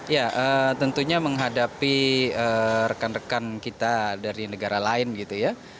ya tentunya menghadapi rekan rekan kita dari negara lain gitu ya